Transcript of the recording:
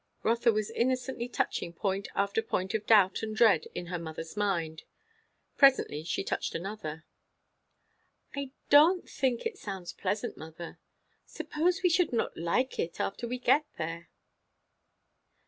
Rotha was innocently touching point after point of doubt and dread in her mother's mind. Presently she touched another. "I don't think it sounds pleasant, mother. Suppose we should not like it after we get there?"